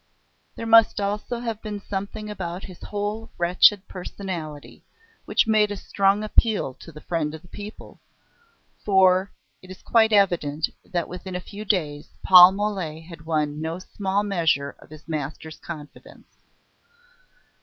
There must also have been something about his whole wretched personality which made a strong appeal to the "Friend of the People," for it is quite evident that within a few days Paul Mole had won no small measure of his master's confidence.